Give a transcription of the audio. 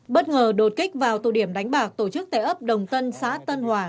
bất ngờ đột kích vào tụ điểm đánh bạc tổ chức tệ ấp đồng tân xã tân hòa